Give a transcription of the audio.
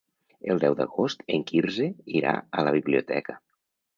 El deu d'agost en Quirze irà a la biblioteca.